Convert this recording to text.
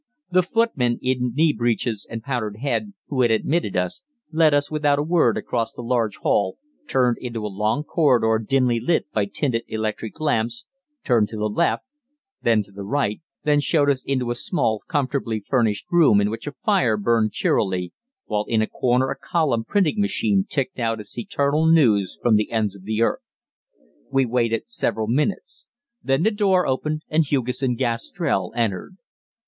The footman in knee breeches and powdered head, who had admitted us, led us without a word across the large hall, turned into a long corridor dimly lit by tinted electric lamps, turned to the left, then to the right, then showed us into a small, comfortably furnished room in which a fire burned cheerily, while in a corner a column printing machine ticked out its eternal news from the ends of the earth. We waited several minutes. Then the door opened and Hugesson Gastrell entered.